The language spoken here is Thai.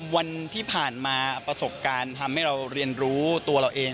วันที่ผ่านมาประสบการณ์ทำให้เราเรียนรู้ตัวเราเอง